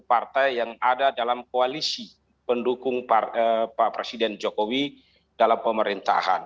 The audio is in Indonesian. partai yang ada dalam koalisi pendukung pak presiden jokowi dalam pemerintahan